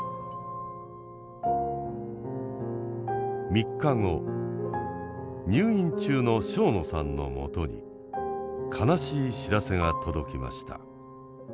３日後入院中の庄野さんのもとに悲しい知らせが届きました。